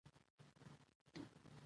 دا د حقیقت لاره ده.